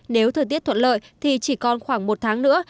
nếu thời tiết thuận lợi thì chỉ còn khoảng một tháng nữa